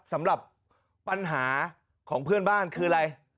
สำหรับปัญหาของเพื่อนบ้านคืออะไร